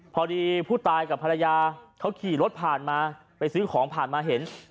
พอดีผู้ตายกับภรรยาเขาขี่รถผ่านมาไปซื้อของผ่านมาเห็น